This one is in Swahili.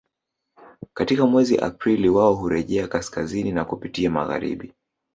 Katika mwezi Aprili wao hurejea kaskazini kwa kupitia magharibi